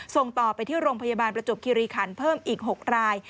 ส่งต่อไปที่โรงพยาบาลประจบคิริขันเพิ่มอีก๖ราย